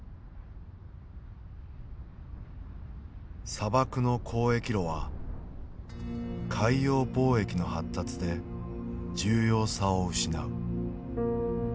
砂漠の交易路は海洋貿易の発達で重要さを失う。